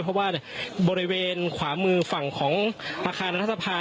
เพราะว่าบริเวณขวามือฝั่งของอาคารรัฐสภา